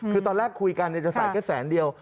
คือตอนแรกคุยกันจะใส่แค่แสนเดียว